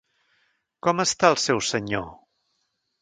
Com està el seu senyor?